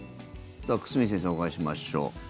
久住先生にお伺いしましょう。